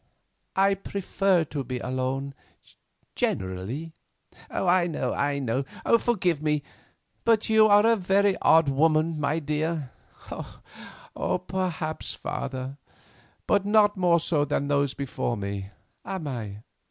"I prefer to be alone—generally." "I know, I know. Forgive me; but you are a very odd woman, my dear." "Perhaps, father; but not more so than those before me, am I?